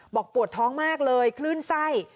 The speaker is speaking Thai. ปวดท้องมากเลยคลื่นไส้